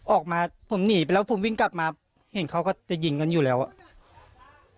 ออกมาผมหนีไปแล้วผมวิ่งกลับมาเห็นเขาก็จะยิงกันอยู่แล้วอ่ะ